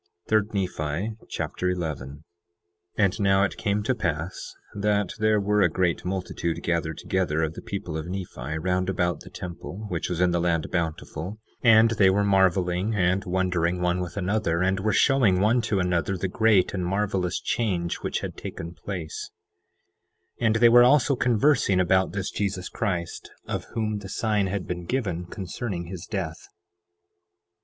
3 Nephi Chapter 11 11:1 And now it came to pass that there were a great multitude gathered together, of the people of Nephi, round about the temple which was in the land Bountiful; and they were marveling and wondering one with another, and were showing one to another the great and marvelous change which had taken place. 3 Nephi 11:2 And they were also conversing about this Jesus Christ, of whom the sign had been given concerning his death.